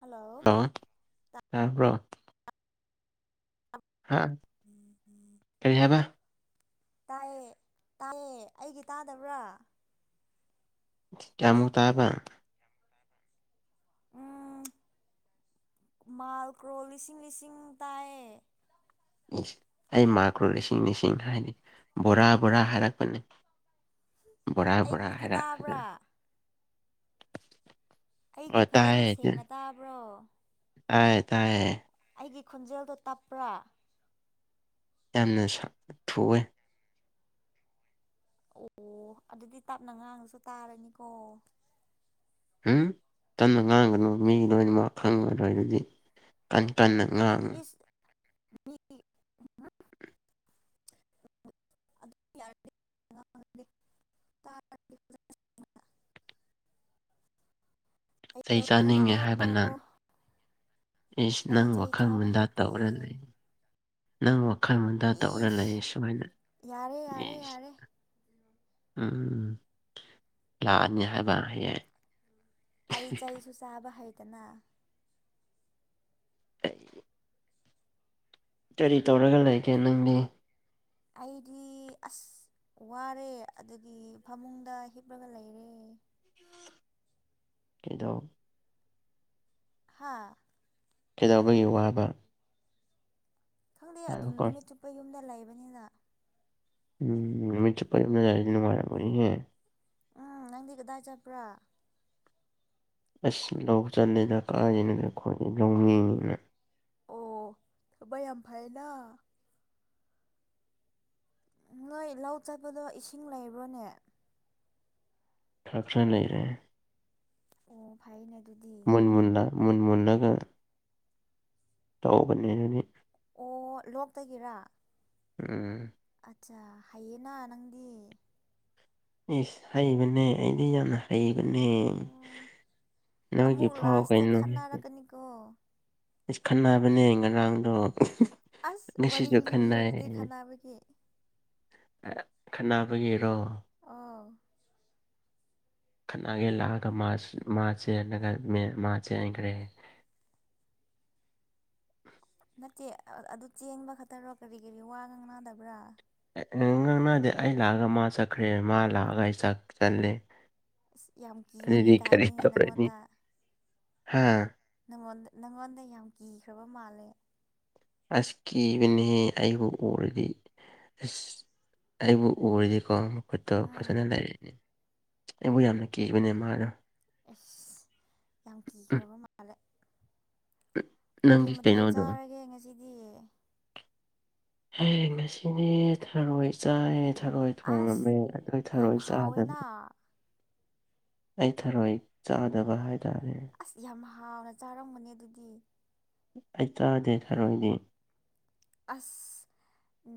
hello ꯍ ꯍꯥꯕ꯭ꯔꯣ ꯍꯥ ꯀꯔꯤ ꯍꯥꯏꯕ ꯇꯥꯏꯌꯦ ꯇꯥꯏꯌꯦ ꯑꯩꯒꯤ ꯇꯥꯗꯕ꯭ꯔꯥ ꯀꯃꯨꯛ ꯇꯥꯏꯕ ꯎꯝ [unintelligible] ꯃꯥꯜ ꯀ꯭ꯔꯣ ꯂꯤꯁꯤꯡ ꯂꯤꯁꯤꯡ ꯇꯥꯏ ꯏꯁꯁ ꯑꯩ ꯃꯥꯀ꯭ꯔꯣ ꯂꯤꯁꯤꯡ ꯂꯤꯁꯤꯡ ꯍꯥꯏꯔꯤ ꯕꯣꯔꯥ ꯕꯣꯔꯥ ꯍꯥꯏꯔꯛꯄꯅꯤ ꯔꯥꯕꯔ ꯑꯩꯒꯤꯗꯤ ꯍꯔꯥꯛ ꯇꯥꯕ꯭ꯔꯥ ꯑꯩꯒꯤ ꯐꯖꯅ ꯁꯦꯡꯅ ꯇꯥꯕ꯭ꯔꯣ ꯇꯥꯏ ꯇꯥꯏꯌꯦ ꯑꯩꯒꯤ ꯈꯣꯟꯖꯦꯜꯗꯣ ꯇꯞꯄ꯭ꯔꯥ ꯌꯥꯝꯅ ꯁ ꯊꯨꯏꯋ‌ꯦ ꯑꯣ ꯑꯗꯨꯗꯤ ꯇꯞꯅ ꯉꯥꯡꯉꯁꯨ ꯇꯥꯔꯅꯤꯀꯣ ꯎꯝ ꯀꯟꯅ ꯉꯥꯡꯒꯅꯨ ꯃꯤ ꯂꯣꯏꯅꯃꯛ ꯈꯪꯉꯔꯣꯏ ꯑꯗꯨꯗꯤ ꯀꯟ ꯀꯟꯅ ꯉꯥꯡꯅꯨ ꯏꯁ ꯃꯤ [inaudible] [unintelligible] ꯆꯩ ꯀꯩꯗꯧꯔꯤꯅꯣ ꯆꯥꯅꯤꯡꯉꯦ ꯍꯥꯏꯕꯅꯪ ꯏꯁ ꯑꯩ ꯅꯪ ꯆꯩ ꯋꯥꯈꯜ ꯆꯥꯕ ꯃꯨꯟꯗꯥ ꯍꯩꯇꯦ ꯇꯧꯔ ꯂꯩ ꯅꯪ ꯋꯥ ꯈꫭꯈ ꯃꯨꯟꯗ ꯇꯧꯔ ꯏꯁ ꯂꯩꯌ‌ꯦ ꯁꯨꯃꯥꯏꯅ ꯌꯥꯔꯦ ꯌꯥꯔꯦ ꯌꯥꯔꯦ ꯎꯝ ꯂꯥꯅꯤ ꯍꯥꯏꯕ ꯍꯌ‌ꯦꯡ ꯑꯩ ꯆꯩꯁꯨ ꯆꯥꯕ ꯍꯩꯇꯅ ꯀꯔꯤ ꯇꯧꯔꯒ ꯂꯩꯒꯦ ꯅꯪꯗꯤ ꯑꯩꯗꯤ ꯑꯁ ꯋꯥꯔꯦ ꯑꯗꯨꯒꯤ ꯐꯃꯨꯡꯗ ꯍꯤꯞꯂꯒ ꯂꯩꯔꯦ ꯀꯩꯗꯣ ꯍꯥꯥ ꯀꯩꯗꯧꯕꯒꯤ ꯋꯥꯕ ꯈꯪꯗꯦ ꯑꯗꯨꯝ ꯉꯥꯏꯈꯣꯀꯣ ꯅꯨꯃꯤꯠ ꯆꯨꯞꯄ ꯌꯨꯝꯗ ꯂꯩꯕꯅꯤꯅ ꯎꯝ ꯅꯨꯃꯤꯠ ꯆꯨꯞꯄ ꯌꯨꯝꯗ ꯂꯩꫪꯗꯤ ꯅꯨꯡꯉꯥꯏꫪꯝ ꯃꫭꯏꯅ‌ꯦ ꯎꯝ ꯅꯪꯗꯤ ꯀꯗꯥꯏ ꯆꯠꯄ꯭ꯔꯥ ꯑꯁ ꯂꯧ ꯆꯟꯅ‌ꯦꯗ ꯀꯥꯏꯗꯩꯅꫭꯗ ꯑꯩꯈꫭꯏꯗꯤ ꯂꯧꯃꯤꯅꯤꯅ ꯑꯣ ꯊꯕꯛ ꯌꯥꯝ ꯐꯩꯅ ꯅꯣꯏ ꯂꯧ ꯆꯠꯄꯗꯣ ꯏꯁꯤꯡ ꯂꯩꯕ꯭ꯔꯣꯅꯦ ꯈꫪ ꯈꫪ ꯅꯩꯔꯦ ꯑꯣ ꯐꯥꯏꯅ‌ꯦ ꯃꯨꯟꯅ ꯃꯨꯟꯅ ꯃꯨꯜ ꯃꯨꯟꯂꯒ ꯇꯥꯎꯕꯅ‌ꯦ ꯑꯗꯨꯗꯤ ꯑꯣ ꯂꯣꯛꯇꯒꯤꯔꯥ ꯎꯝ ꯑꯠꯆꯥ ꯍꯩꯌꯦꯅ ꯅꯪꯗꯤ ꯏꯁ ꯍꯩꯕꯅꯦ ꯑꯩꯗꯤ ꯌꯥꯝꯅ ꯍꯩꯕꯅꯦ ꯑꯣ ꯅꯣꯏꯒꯤ ꯑꯃꯨꯛ ꯐꯥꯎ ꯂꯥꯁꯇ ꯀꯩꯅꯣꯅ‌ꯦ ꯈꯠꯅꯔꯛꯀꯅꯤꯀꯣ ꯑꯁ ꯈꯟꯅꯕꯅꯦ ꯉꯔꯥꯡꯗꯣ ꯑꯁ ꯋꯥꯔꯤ ꯉꯁꯤꯁꯨ ꯂꯤꯕꯤꯌꯣ ꯈꯠꯅꯩ ꯑꯗꯨꯗꯤ ꯈꯥꯟꯅꯕꯒꯤ ꯈꯟꯅꯕꯒꯤꯔꯣ ꯑꯥꯎ ꯈꯠꯅꯒꯦ ꯂꯥꯛꯑꯒ ꯃꯥꯁ ꯃꯥꯆ‌ꯦꯜꯂꯒ ꯃ‌ꯦꯃꯥ ꯆꯦꯟꯈ꯭ꯔꯦ [inaudible] ꯅꯠꯇꯦ ꯑꯗꯨ ꯆꯦꯡꯕ ꯈꯛꯇꯔꯣ ꯀꯔꯤ ꯀꯔꯤ ꯋꯥꯒ ꯉꯡꯅꯗꯕ꯭ꯔꯥ ꯉꯪꯅꯗ‌ꯦ ꯑꯩ ꯂꯥꯛꯑꯒ ꯃꯥ ꯆꯠꯈ꯭ꯔꯦ ꯃꯥ ꯂꯥꯛꯑꯒ ꯑꯩ ꯆꯛ ꯆꯠꯂ‌ꯦ ꯑꯁ ꯌꯥꯝ ꯀꯤꯕꯒꯤ ꯇꯥꯏꯅꯤꯅꯦ ꯇꯧꯔꯅꯤ ꯅꯪꯉꯣꯟꯗ ꯍꯥ ꯅꯉꯣꯟꯗ ꯅꯪꯉꯣꯟꯗ ꯌꯥꯝ ꯀꯤꯈ꯭ꯔꯕ ꯃꯥꯜꯂꯦ ꯑꯁ ꯀꯤꯕꯅꯦꯍ‌ꯦ ꯑꯩꯕꯨ ꯎꯨꯔꯗꯤ ꯑꯁ ꯑꯩꯕꯨ ꯎꯔꯗꯤꯀꯣ ꯈꯨꯠꯇꯣ ꯐꯖꯅ ꯎꯝ ꯅꯩꯔꯛꯏꯅꯦ ꯑꯩꯕꯨ ꯌꯥꯝꯅ ꯀꯤꯕꯅꯦ ꯃꯥꯗꯣ ꯑꯁ ꯌꯥꯝ ꯎꯝ ꯀꯤꯈ꯭ꯔꯕ ꯃꯥꯜꯂꯦ ꯀꯔꯤ ꯅꯪꯒꯤ ꯃꯊꯦꯜ ꯀꯩꯅꯣꯗꯣ ꯆꯥꯔꯒꯦ ꯉꯁꯤꯗꯤ ꯍꯌꯦꯡ ꯉꯁꯤꯗꯤ ꯊꯥꯔꯣꯏ ꯆꯥꯏꯌ‌ꯦ ꯊꯔꯣꯏ ꯑꯁ ꯊꯣꯡꯉꯝꯃꯦ ꯑꯗꯨꯏ ꯌꯥꯝ ꯊꯔꯣꯏ ꯆꯥꯗꯅ ꯍꯥꯎꯋꯦꯅ ꯑꯩ ꯊꯔꯣꯏ ꯆꯥꯗꯕ ꯍꯥꯏꯇꯥꯔꯦ ꯑꯁ ꯌꯥꯝ ꯍꯥꯎꯅ ꯆꯥꯔꯝꯕꯅꯦ ꯑꯗꯨꯗꯤ ꯑꯩ ꯆꯥꯗꯦ ꯈꯔꯣꯏꯗꯤ ꯑꯁ ꯎ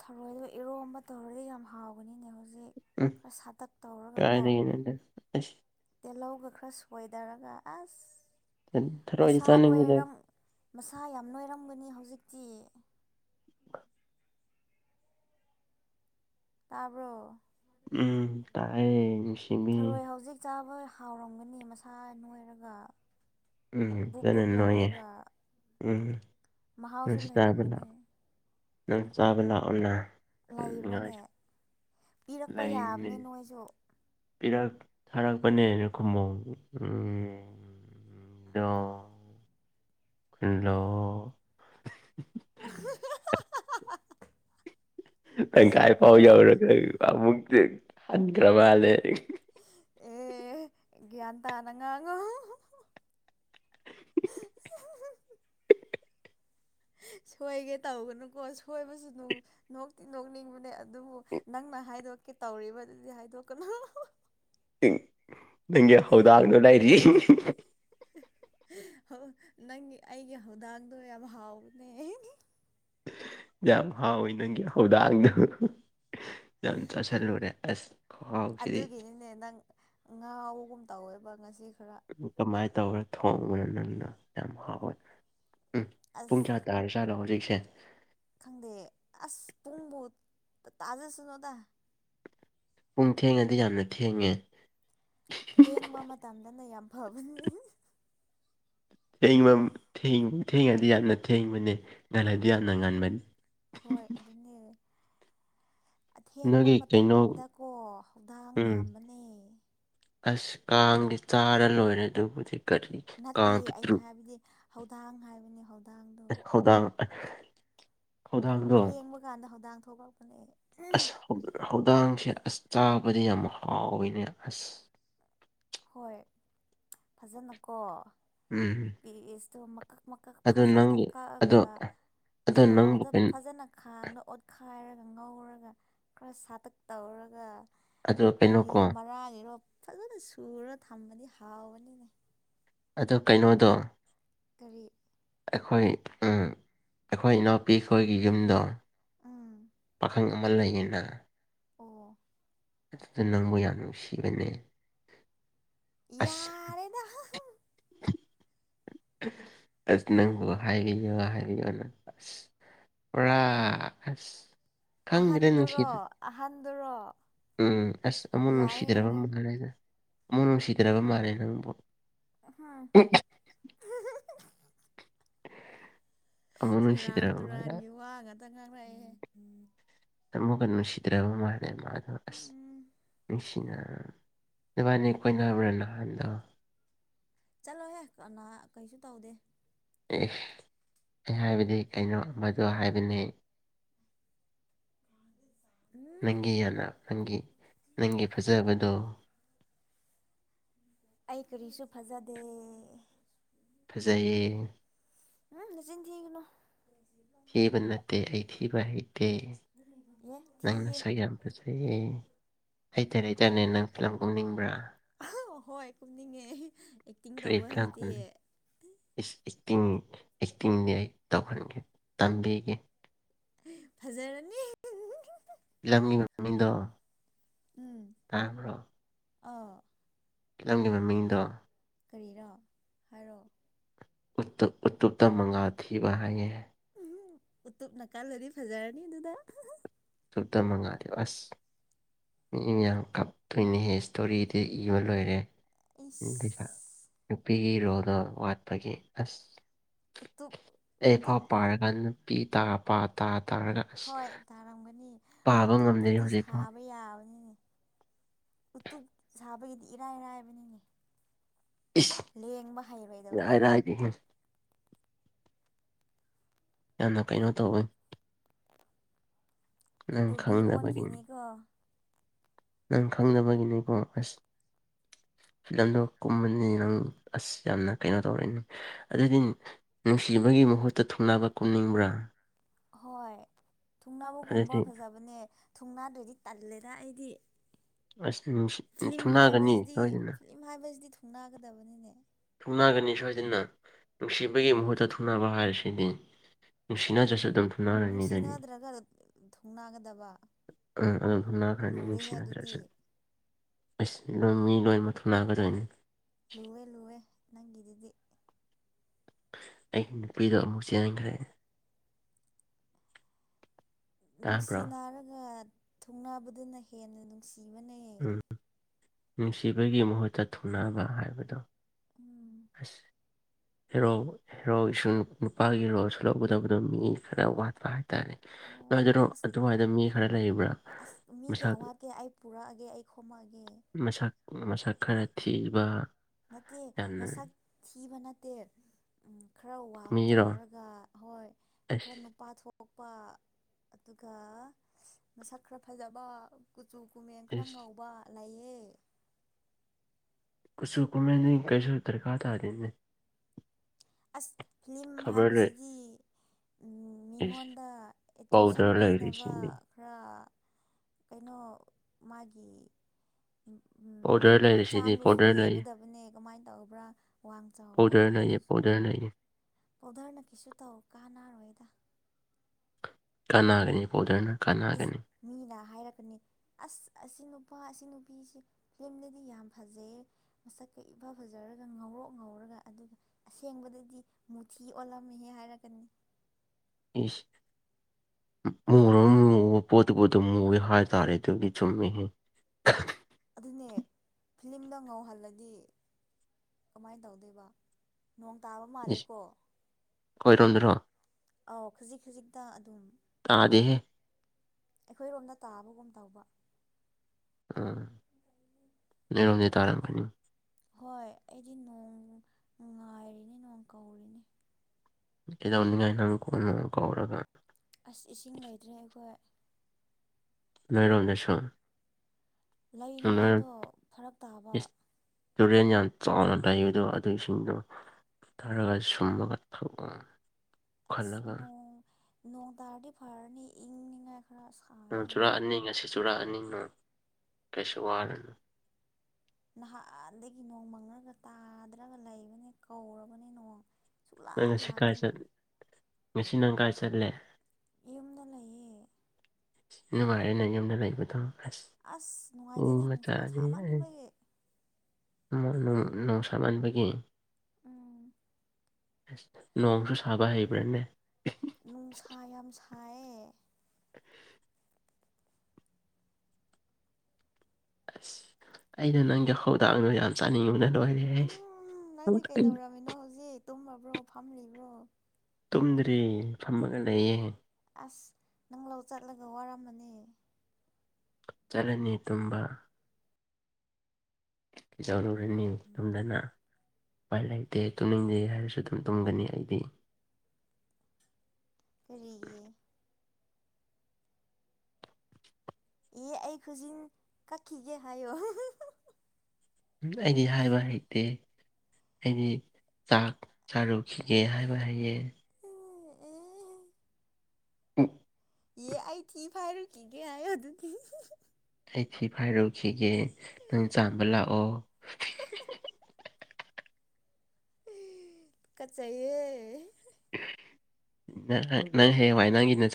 ꯊꯔꯣꯏ ꯏꯔꯣꯝꯕ ꯇꯧꯔꯗꯤ ꯌꯥꯝ ꯍꯥꯎꯒꯅꯤꯅꯦ ꯍꯧꯛ ꯎꯝ ꯈꯔ ꯁꯥꯇꯛ ꯇꯧꯔꯒꯀꯣ ꯀꯥꯏꯗꯒꯤꯅꯣꯗ ꯑꯁ ꯇꯤꯍꯧ ꯒꯈꯔ ꯁꯣꯏꯗꯔꯒ ꯑꯁ ꯊꯔꯋꯥꯖꯤ ꯃꯁꯥ ꯆꯥꯅꯤꯗ ꯅꯣꯏꯔꯝ ꯃꯁꯥ ꯌꯥꯝ ꯅꯣꯏꯔꯝꯒꯅꯤ ꯍꯧꯖꯤꯛꯇꯤ [unintelligible] ꯇꯥꯕ꯭ꯔꯣ ꯎꯝ ꯇꯥꯏꯌꯦ ꯁꯤꯕꯤ ꯍꯣꯏ ꯍꯥꯎꯔꯝꯒꯅꯤ ꯃꯁꯥ ꯅꯣꯏꯔꯒ ꯎꯝ ꯕꯨꯞ ꯆꯅꯤ ꯕꯨꯞ ꯅꯅꯨꯡꯣꯏꯦ ꯂꯥꯎꯔꯒ ꯎꯝ ꯃꯍꯥꯎꯁꯨ ꯅꯪꯁꯨ ꯆꯥꯕ ꯂꯩꯔꯔꯝꯒ ꯂꯥꯛꯑꯣ ꯅꯪ ꯆꯥꯕ ꯂꯥꯛꯑꯣꯅ ꯈꯅꯤꯡꯉꯥꯏ ꯂꯩꯕ꯭ꯔꯥꯅꯦ ꯄꯤꯔꯛꯄ ꯂꯩꯅꯤ ꯌꯥꯕꯅꯦ ꯅꯣꯏꯁꯨ ꯔ ꯊꯥꯔꯛꯄꯅꯦꯔꯀꯨꯝꯣ ꯎ ꯗ ꯏꯂꯣ [unintelligible] ꯪ ꯀꯥꯏ ꯐꯥꯎ ꯌꯥꯎꯔꯃꯨꯛ ꯈꯥꯟ ꯀ꯭ꯔꯃꯂ ꯑꯦ ꯒ꯭ꯌꯥꯟ ꯇꯅ ꯉꯥꯡꯉ [unintelligible] ꯁꯣꯏꯒꯦ ꯇꯧꯕꯅꯨꯀꯣ ꯁꯣꯏꯕꯁꯨ ꯅꯣꯛꯇꯤ ꯅꯣꯛꯅꯤꯡꯕꯅꯦ ꯑꯗꯨꯕꯨ ꯅꯪꯅ ꯍꯥꯏꯗꯣꯛꯀꯦ ꯇꯧꯔꯤꯕꯗꯨꯗꯤ ꯍꯥꯏꯗꯣꯛ ꯀꯅꯥꯅ ꯅꯪꯦ ꯍꯥꯎꯗꯅꯣ ꯂꯩꯏꯔꯤꯔꯤ ꯅꯪꯒꯤ ꯑꯩꯒꯤ ꯍꯧꯗꯡꯗꯣ ꯌꯥꯝ ꯍꯥꯎꯅꯦ ꯌꯥꯝ ꯍꯥꯎꯋꯤ ꯅꯪꯒꯤ ꯍꯧꯧꯗꯥꯡꯗꯣ ꯌꯥꯝ ꯆꯥꯥꯁꯜꯂꯨꯔꯦ ꯑꯁ ꯈꯨꯍꯥꯎꯁꯤꯗꯤ ꯑꯗꯨꯒꯤꯅꯤꯅꯦ ꯅꯪ ꯉꯥꯒꯨꯝ ꯇꯧꯋꯦꯕ ꯉꯁꯤ ꯈꯔ ꯀꯃꯥꯏꯅ ꯇꯧ ꯊꯣꯡꯕꯅꯣ ꯅꯪꯅ ꯌꯥꯝ ꯍꯥꯎꯋꯦ ꯎꯝ ꯄꯨꯡ ꯑꯁ ꯆꯥ ꯇꯥꯔ ꯆꯥꯠꯂꯣꯑꯣ ꯍꯧꯖꯤꯛꯁꯦ ꯈꯪꯗꯦ ꯑꯁ ꯄꯨꯡꯕꯨ ꯇꯥꯖꯁꯅꯨꯗ ꯄꯨꯡ ꯊꯦꯡꯉꯗꯤ ꯌꯥꯝꯅ ꯊꯦꯡꯉꯦ ꯊꯦꯡꯕ ꯃꯇꯝꯗꯅ ꯌꯥꯝ ꯐꯕꯅꯤ ꯊꯦꯡꯉꯗꯤ ꯌꯥꯝꯅ ꯊꯦꯡꯕꯅꯤ ꯉꯜꯂꯗꯤ ꯌꯥꯝꯅ ꯉꯟꯕꯅꯤ ꯍꯣꯏ ꯑꯗꯨꯅꯦ ꯑꯊꯦꯡꯕ ꯅꯣꯏꯒꯤ ꯀꯩꯅꯣ ꯃꯇꯝꯗꯀꯣ ꯍꯧꯧꯗꯥꯡ ꯎꯝ ꯌꯥꯝꯕꯅꯦ ꯑꯁ ꯀꯥꯡꯗꯤꯦ ꯆꯥꯔ ꯂꯣꯏꯔꯦ ꯑꯗꯨꯕꯨꯗꯤ ꯀꯔꯤ ꯀꯥꯡꯕꯤꯗ꯭ꯔꯣ ꯍꯧꯧꯗꯥꯡ ꯍꯥꯏꯕꯅꯤ ꯍꯧꯗꯥꯡ ꯍꯗꯥ ꯊꯦꯡꯕ ꯀꯥꯟꯗ ꯍꯧꯗꯥꯡ ꯊꯣꯛꯂꯛꯄꯅꯦ ꯑꯁ ꯍꯧꯗꯥꯡꯁꯦ ꯑꯁ ꯆꯥꯕꯗ ꯌꯥꯝ ꯍꯥꯎꯋꯦꯅꯦ ꯑꯁ ꯍꯣꯏ ꯐꯖꯅꯀꯣ ꯎꯝꯝ ꯇꯣꯃꯀ ꯃꯀꯛ ꯐꯖꯅ ꯑꯗꯣ ꯀꯛꯑꯒ ꯑꯗꯣ ꯅꯪꯕꯨ ꯊꯥꯎꯗ ꯐꯖꯅ ꯈꯥꯡꯅ ꯑꯣꯠꯈ ꯍꯥꯏꯥꯏꯔꯒ ꯉꯧꯔꯒ ꯈꯔ ꯁꯥꯇꯛ ꯇꯧꯔꯒ ꯑꯗꯣ ꯀꯔꯤ ꯀꯩꯅꯣꯀꯣ ꯃꯔꯥꯡꯅꯤꯔꯣ ꯐꯖꯅ ꯁꯨꯔ ꯊꯝꯕꯗꯤ ꯍꯥꯎꯕꯅꯤꯅꯦ ꯑꯗꯣ ꯀꯩꯅꯣꯗꯣ ꯀꯔꯤ ꯑꯩꯈꯣꯏ ꯑꯩꯈꯣꯏ ꯏꯅꯥꯎꯄꯤꯈꯣꯏꯒꯤ ꯌꯨꯝꯗꯣ ꯎꯝ ꯄꯥꯈꯪ ꯀꯃꯅ ꯂꯩꯟꯅ ꯑꯣ ꯑꯗꯨꯗ ꯅꯪꯕꯨ ꯌꯥꯝ ꯅꯨꯡꯁꯤꯕꯅꯦ ꯑꯁ ꯌꯥꯔꯦꯅ ꯑꯁ ꯅꯪꯕꯨ ꯍꯥꯏꯔꯤꯌꯣ ꯍꯥꯏꯔꯤꯌꯣ ꯅꯪ ꯑꯁ ꯄꯨ [inaudible] [unintelligible] ꯑꯍꯟꯗꯨꯔꯣ ꯑꯍꯟꯗꯨꯔꯣ ꯎꯝ ꯑꯁ ꯑꯃꯨꯛ ꯌꯥꯔꯦ ꯅꯨꯡꯁꯤꯗ꯭ꯔꯕ ꯌꯥꯔꯦ ꯃꯥꯜꯂꯦꯗ ꯑꯃꯨꯛ ꯅꯨꯡꯁꯤꯗ꯭ꯔꯕ ꯃꯥꯜꯂꯦ ꯅꯪꯕꯨ ꯑ [unintelligible] [inaudible] ꯃꯅ ꯍꯁꯤꯗꯔ ꯀꯑꯦꯝ ꯊꯃꯛꯒ ꯅꯨꯡꯁꯤꯗ꯭ꯔꯕ ꯃꯥꯜꯂ ꯃꯥꯗ ꯑꯁ ꯎꯝ ꯅꯨꯡꯁꯤꯅ ꯕꯥꯅꯤ ꯀꯣꯏꯅꯕ꯭ꯔꯥ ꯅꯍꯥꯟꯗꯣ ꯆꯠꯂꯣꯍꯦ ꯀꯅꯥ ꯀꯩꯁꯨ ꯇꯧꯗꯦ ꯑꯦ ꯑꯩ ꯍꯥꯏꯕꯗꯤ ꯀꯩꯅꯣ ꯃꯗ ꯍꯥꯏꯕꯅꯤ ꯎꯝ ꯅꯪꯒꯤ ꯌꯥꯅ ꯅꯪꯒꯤ ꯅꯪꯒꯤ ꯐꯖꯕꯗꯣ ꯑꯩ ꯀꯔꯤꯁꯨ ꯐꯖꯗꯦ ꯐꯖꯩꯌꯦ ꯎꯝ ꯅꯆ ꯊꯒꯅꯣ ꯊꯤꯕ ꯅꯠꯇꯦ ꯑꯩ ꯊꯤꯕ ꯍꯩ ꯌꯦ ꯅꯪꯅ ꯊꯤꯌꯦ ꯁꯩ ꯌꯥꯝꯕꯖꯩꯌꯦ ꯍꯩꯇꯔꯦ ꯍꯇꯥꯔꯅꯦ ꯅꯪ ꯐꯤꯂꯝ ꯀꯨꯝꯅꯤꯡꯕ꯭ꯔꯥ ꯍꯣꯏ ꯀꯨꯝꯅꯤꯡꯉꯦ ꯑꯦꯛꯇꯤꯡ ꯇꯧꯕ [unintelligible] ꯍꯩꯇꯦ [inaudible] ꯇꯤꯡ ꯑꯦꯛꯇꯤꯡꯗꯤ ꯑꯩ ꯇꯧꯍꯟꯒꯦ ꯇꯝꯕꯤꯒꯦ ꯐꯖꯔꯅꯤ ꯄꯤꯂꯝꯅꯤ ꯃꯤꯗ ꯎꯝ ꯇ꯭ꯔꯣ ꯑꯥ [inaudible] ꯀꯤꯂꯝꯒꯤ ꯃꯃꯤꯡꯗꯣ ꯀꯔꯤꯔꯣ ꯍꯥꯏꯔꯣ ꯎ ꯎꯇꯞꯇ ꯃꯉꯥꯜ ꯊꯤꯕ ꯍꯥꯏꯌꯦ ꯎ ꯎꯇꯞ ꯅꯅꯥꯀꯜꯗꯗꯤ ꯐꯖꯥꯏꯔꯅꯤ ꯑꯗꯨꯗꯥ ꯇꯇ ꯃꯉꯥꯂꯣ ꯑꯁ ꯃꯤ ꯌꯥꯝ ꯀꯞꯇꯣꯏꯅꯦꯍꯦ ꯏꯁꯇꯣꯔꯤꯗꯤ ꯏꯕ ꯂꯣꯏꯔꯦ ꯎ ꯖ ꯏꯁ ꯅꯨꯄꯤꯒꯤ ꯔꯣꯜꯗꯣ ꯋꯥꯠꯄꯒꯤ ꯑꯁ ꯎꯇꯨꯞ ꯑꯦꯐ ꯎꯇꯨꯞ ꯄꯥꯔꯒ ꯅꯨꯄꯤ ꯇꯥ ꯄꯥ ꯇꯥ ꯇꯥꯔꯒ ꯑꯁ ꯍꯣꯏ ꯇꯥꯔꯝꯒꯅꯤ ꯄꯥꯕ ꯉꯝꯗꯔꯤ ꯎꯇꯨꯞꯄꯨꯗꯤ ꯍꯧꯖꯤꯛꯐꯥꯎ ꯁꯥꯕ ꯎꯇꯨꯞ ꯁꯥꯕꯒꯤꯗꯤ ꯏꯔꯥꯏꯔꯥꯏꯕꯅꯤꯅꯦ ꯏꯁ ꯂꯦꯡꯕ ꯍꯥꯏꯔ ꯍꯩꯔꯩꯗꯕꯅꯤꯅꯦ ꯍꯥꯏꯗꯤꯍꯦ ꯌꯥꯝꯅ ꯀꯩꯅꯣ ꯇꯧꯋꯤ ꯎꯠꯇꯨꯕꯤ ꯈꯪꯗꯕꯒꯤꯅꯤ ꯑꯣꯟꯈꯤꯅꯤꯀꯣ ꯅꯪ ꯈꯪꯅꯕꯒꯤ ꯅꯤꯀꯣ ꯑꯁꯤꯁ ꯐꯤꯂꯝꯗꯣ ꯀꯨꯝꯕꯅꯤ ꯅꯪ ꯑꯁ ꯌꯥꯝꯅ ꯀꯩꯅꯣ ꯇꯧꯔꯦ ꯑꯗꯨꯗꯤ ꯅꯨꯡꯁꯤꯕꯒꯤ ꯒꯤ ꯃꯍꯨꯠꯇ ꯊꯨꯡꯅꯕ ꯀꯨꯝꯅꯤꯡꯕ꯭ꯔꯥ ꯍꯣꯏ ꯊꯨꯡꯅꯥꯕꯨꯒꯨꯝꯕ ꯑꯗꯨꯗꯤ ꯐꯖꯕꯅꯦ ꯊꯨꯡꯅꯥꯗꯗꯤ ꯇꯜꯂꯦ ꯑ ꯑꯩꯗꯤ ꯑꯁ ꯐꯤꯂꯝ ꯊꯨꯡꯅꯒꯅꯤ ꯁꯣꯏꯗꯅ ꯅꯥꯒꯗꯕꯅꯤꯅꯦ ꯊꯨꯅꯒꯅꯤ ꯁꯣꯏꯗꯅ ꯅꯨꯡꯁꯤꯕꯒꯤ ꯃꯍꯨꯠꯇ ꯊꯨꯅꯕ ꯍꯥꯏꯔꯤꯁꯤꯗꯤ ꯑꯦ ꯅꯨꯡꯁꯤꯅꯗ꯭ꯔꯁꯨ ꯑꯗꯨꯝ ꯊꯨꯡꯅꯔꯅꯤ ꯑꯗꯨꯗꯤ ꯅꯨꯡꯁꯤꯅꯗ꯭ꯔꯒ ꯊꯧꯅꯥꯒꯗꯕ ꯎ ꯑꯗꯨꯅꯈ꯭ꯔꯅꯤ ꯃꯤꯁꯤꯆꯔ ꯑꯁ ꯂꯣꯏ ꯃꯤ ꯂꯣꯏꯅꯃꯛ ꯊꯨꯅꯥꯒꯗꯣꯏꯅꯤ ꯂꯨꯋꯦ ꯂꯨꯋꯦ ꯏꯔꯗꯤ ꯑꯩꯒꯤ ꯅꯨꯄꯤꯗꯣ ꯑꯃꯨꯛ ꯆꯟꯈ꯭ꯔꯦ ꯅꯨꯡꯁꯤ ꯇꯥꯕ꯭ꯔꯣ ꯔꯒ ꯊꯨꯡꯅꯥꯕꯗꯅ ꯍꯦꯟꯅ ꯅꯨꯡꯁꯤꯕꯅꯤ ꯎꯝ ꯅꯨꯡꯁꯤꯕꯒꯤ ꯃꯍꯨꯠꯇ ꯊꯨꯡꯅꯕ ꯍꯥꯏꯕꯗꯣ ꯎꯝ ꯑ ꯍꯦꯔꯧ ꯍꯦꯔꯧ ꯅꯨꯄꯥꯒꯤ ꯔꯣꯜꯁꯨ ꯂꯧꯒꯗꯕꯗ ꯃꯤ ꯈꯔ ꯋꯥꯠꯄ ꯍꯥꯏ ꯍꯥꯏꯇꯥꯔꯦ ꯑꯣ ꯑꯗꯨꯗꯅꯣ ꯑꯁ ꯑꯗꯨꯃꯥꯏꯅ ꯃꯤ ꯈꯔ ꯂꯩꯕ꯭ꯔꯥ ꯃꯁꯥ ꯈ ꯃꯥ ꯃꯁꯛ ꯃꯁꯛ ꯈꯔ ꯊꯤꯕ ꯅꯠꯇꯦ ꯌꯥꯝꯅ ꯃꯁꯛ ꯊꯤꯕ ꯅꯠꯇꯦ ꯈꯔ ꯋꯥꯡ ꯃꯤꯔꯣ ꯆꯥꯎꯔꯒ ꯑꯁ ꯈꯔꯅ ꯅꯨꯄꯥꯠꯒ ꯄ ꯑꯗꯨꯒ ꯃꯁꯛ ꯈꯔ ꯐꯖꯕ ꯖꯨꯒꯨꯝꯃꯦ ꯏꯪꯈ꯭ꯔꯥꯡ ꯑꯁ ꯉꯥꯎꯕ ꯂꯩꯑ ꯈꯨꯁꯨꯀꯨꯃꯅꯤ ꯀꯩꯁꯨ ꯗꯔꯀ ꯇꯥꯗꯅꯤ ꯑꯁ ꯐꯤꯂꯝ ꯍꯥꯏꯕꯁꯤꯗꯤ ꯏꯁ ꯃꯤꯉꯣꯟꯗ ꯑꯦꯇ꯭ꯔꯦꯛꯁꯟ ꯄꯥꯎꯗꯔ ꯄꯤꯅꯕ ꯂꯩꯔꯤꯁꯤꯅꯤ ꯈꯔ ꯀꯩꯅꯣ ꯃꯥꯒꯤ ꯑꯣꯗ ꯍꯛꯆꯥꯡꯗꯨꯁꯨ ꯌꯦꯡꯒꯗꯕꯅꯦ ꯀꯃꯥꯏꯅ ꯇꯧꯕ꯭ꯔꯥ ꯋꯥꯡ ꯆꯥꯎꯕ꯭ꯔꯥ ꯄꯥꯎꯗꯔ ꯂꯩꯌꯦ ꯍꯥꯏꯕꯗꯨꯁꯨ ꯄꯥꯎꯗꯔ ꯂꯩꯌꯦ ꯄꯣꯙꯔꯅ ꯀꯩꯁꯨ ꯇꯧ ꯀꯥꯅꯅꯥꯔꯣꯏꯗ ꯀꯥꯟꯅꯥꯒꯅꯤ ꯄꯣꯗꯅ ꯏꯁ ꯃꯤꯅ ꯍꯥꯏꯔꯛꯀꯅꯤ ꯑꯁ ꯑꯁꯤ ꯅꯨꯄꯥ ꯑꯁꯤ ꯁꯤ ꯅꯨꯄꯤꯁ ꯐꯤꯂꯝꯗꯗꯤ ꯌꯥꯝ ꯐꯖꯩ ꯃꯁꯛꯀ ꯏꯐ ꯐꯖꯔꯒ ꯉꯧꯔꯣꯛ ꯉꯧꯔꯒ ꯑꯗꯨ ꯑꯗꯨꯒ ꯑꯁꯦꯡꯕꯗꯗꯤ ꯃꯨꯊꯤ ꯑꯣꯜꯂꯝꯃꯦꯍ ꯍꯥꯏꯔꯒꯅꯤ ꯏꯁꯁ ꯃ ꯃ ꯄꯣꯠꯇ ꯄꯣꯠꯇ ꯃꯨ ꯍꯥꯏꯔ ꯇꯥꯔꯦꯗꯨꯒꯤ ꯆꯨꯝꯃꯤꯁꯤ [inaudible] ꯑꯗꯨꯅꯦ ꯐꯤꯂꯝꯗꯣ ꯉꯧꯍꯜꯂꯗꯤ ꯀꯃꯥꯏꯅ ꯇꯧꯗꯣꯏꯕ ꯅꯣꯡ ꯇꯥꯕ ꯏꯁ ꯃꯥꯜꯂꯦꯀꯣ ꯑꯩꯈꯣꯏꯔꯣꯝꯗꯔꯣ ꯑꯥꯎ ꯈꯖꯤꯛ ꯈꯖꯤꯛꯇ ꯑꯗꯨꯝ ꯇꯥꯗꯦꯍꯦ ꯑꯩꯈꯣꯏꯔꯣꯝꯗ ꯇꯥꯕꯒꯨꯝ ꯇꯧꯕ ꯑꯝ ꯅꯔꯝꯖꯤ ꯇꯔꯝꯅꯤ ꯍꯣꯏ ꯑꯩꯗꯤ ꯅꯣꯡ ꯉꯥꯏꯔꯤꯅꯤ ꯅꯣꯡ ꯀꯧꯔꯤꯅꯤ ꯀꯩꯗꯧꯅꯤꯡꯉꯥꯏ ꯅꯪ ꯀꯣꯟꯅꯣ ꯀꯧꯔꯒ ꯑꯁ ꯏꯁꯤꯡ ꯂꯩꯇ꯭ꯔꯦ ꯑꯩꯈꯣꯏ ꯅꯣꯏꯔꯅꯦꯁ ꯂꯩꯅꯤꯉꯥꯏꯗꯣ ꯐꯔꯛ ꯇꯥꯕ ꯏꯁ ꯇꯨꯔꯦꯟ ꯌꯥꯝ ꯆꯥꯎꯅ ꯂꯩꯗꯣ ꯑꯗꯨꯁꯤꯡꯗꯣ ꯇꯔꯒ ꯁꯨꯝꯕꯒꯠꯈꯧꯕ ꯑꯁ ꯅꯣꯡ ꯅꯣꯡ ꯇꯥꯔꯗꯤ ꯐꯔꯅꯤ ꯏꯪꯉꯥꯏ ꯅꯣꯡ ꯆꯨꯔꯥꯑꯅꯤ ꯉꯁꯤ ꯆꯨꯔꯥꯛꯑꯅꯤ ꯅꯣꯡ ꯀꯩꯁꯨ ꯋꯥꯔꯅꯨ ꯅꯍꯥꯟꯗꯒꯤ ꯅꯣꯡꯃꯪꯉꯒ ꯇꯥꯗ꯭ꯔꯒ ꯂꯩꯕꯅꯦ ꯀꯧꯔꯕꯅꯤ ꯅꯣꯡ ꯅꯪ ꯁꯨꯛꯂꯥꯛ ꯉꯁꯤ ꯀꯥꯏ ꯂꯥꯛꯇꯦ ꯆꯠ ꯉꯁꯤ ꯅꯪ ꯀꯥꯏ ꯆꯠꯂꯦ ꯌꯨꯝꯗ ꯂꯩꯌꯦ ꯅ ꯃꯥꯥꯏꯔꯦ ꯅꯪ ꯌꯥꯝꯅ ꯂꯩꯕ ꯊ ꯑꯁ ꯅꯨꯡꯉꯥꯏꯇꯦꯗ ꯅꯨꯡꯁꯥ ꯁꯥꯃꯟꯕꯒꯤ ꯃꯥꯅꯨꯡ ꯅꯨꯡꯁꯥꯃꯟꯕꯒꯤ ꯎꯝ ꯅꯣꯡꯁꯨ ꯁꯕ ꯍꯩꯕ꯭ꯔꯥꯅꯦ ꯅꯨꯡꯁꯥ ꯌꯥꯝ ꯁꯥꯏꯌꯦ ꯑꯁ ꯑꯩꯅ ꯅꯪꯒꯤ ꯊꯧꯗꯥꯡꯗꯣ ꯌꯥꯝ ꯆꯥꯅꯤꯡꯉꯕꯅ ꯎꯝ ꯁ ꯅꯪꯗꯤ ꯀꯩꯗꯧꯔꯝꯃꯤꯅꯣ ꯍꯧꯖꯤꯛ ꯇꯨꯝꯃꯕ꯭ꯔꯣ ꯐꯝꯂꯤꯕ꯭ꯔꯣ ꯇꯨꯝꯗ꯭ꯔꯤ ꯐꯝꯃꯒ ꯂꯩꯌꯦꯦ ꯑꯁ ꯅꯪ ꯂꯧ ꯆꯠꯂꯒ ꯋꯥꯔꯝꯃꯅꯤ ꯆꯂꯅꯤ ꯇꯨꯕꯥ ꯀꯈꯤ ꯆꯥꯎꯧꯔꯨꯨꯔꯅꯤꯡ ꯇꯨꯝꯗꯅ ꯄ ꯂꯩꯇꯦ ꯇꯨꯝꯅꯤꯡꯗꯦ ꯍꯥꯏꯔꯁꯨ ꯑꯗꯨꯝ ꯇꯨꯝꯒꯅꯤ ꯑꯩꯗꯤ ꯀꯔꯤꯔꯤꯒꯤꯦ ꯑꯦ ꯑꯩ ꯈꯨꯖꯤꯟ ꯀꯛꯈꯤꯒꯦ ꯍꯥꯏꯌꯣ ꯎꯝ ꯑꯩꯗꯤ ꯍꯥꯏꯕ ꯍꯩꯇꯦ ꯍꯥꯏꯗꯤ ꯆꯥꯛ ꯆꯥꯔꯨꯈꯤꯒꯦ ꯍꯥꯏꯕ ꯍꯥꯏꯌꯦ ꯎꯝ ꯑꯦ ꯑꯩ ꯊꯤ ꯐꯥꯏꯔꯨꯈꯤꯒꯦ ꯍꯥꯏꯌ ꯑꯗꯨ ꯊꯤ ꯑꯩ ꯊꯤ ꯐꯥꯏꯔꯨꯈꯤꯒꯦ ꯅꯣꯏ ꯆꯥꯝꯕ ꯂꯥꯛꯑꯣ ꯀꯆꯌꯦ ꯅꯪ ꯍꯦ ꯋꯥꯏ ꯅꯪꯒꯤꯅ